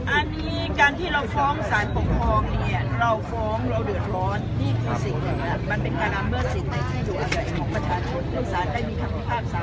อันที่การที่เราฟ้องสารปกฏเนี้ยเราฟ้องเราดื่นร้อน